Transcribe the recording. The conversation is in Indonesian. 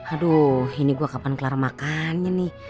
aduh ini gue kapan kelar makannya nih